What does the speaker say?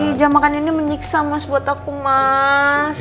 ih jangan makan ini menyiksa mas buat aku mas